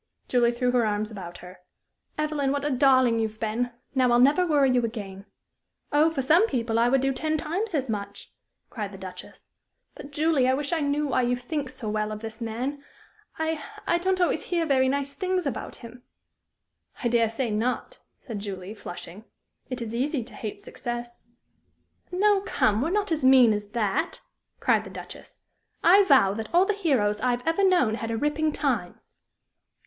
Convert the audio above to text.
Julie threw her arms about her. "Evelyn, what a darling you've been! Now I'll never worry you again." "Oh, for some people I would do ten times as much!" cried the Duchess. "But, Julie, I wish I knew why you think so well of this man. I I don't always hear very nice things about him." "I dare say not," said Julie, flushing. "It is easy to hate success." "No, come, we're not as mean as that!" cried the Duchess. "I vow that all the heroes I've ever known had a ripping time.